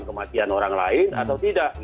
kematian orang lain atau tidak